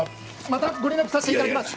またご連絡さしていただきます。